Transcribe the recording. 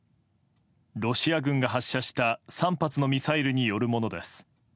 ロシア軍が発射した３発のミサイルによるものです。